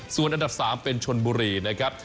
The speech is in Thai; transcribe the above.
ส่วนอันดับ๓เป็นชนบุรีนะครับ